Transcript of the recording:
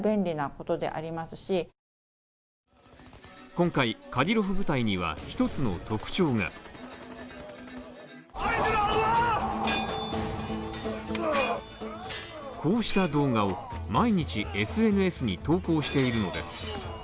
今回カディロフ部隊には一つの特徴がこうした動画を毎日ＳＮＳに投稿しているのです。